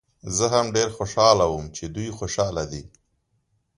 زه هم ډېر خوشحاله وم چې دوی خوشحاله دي.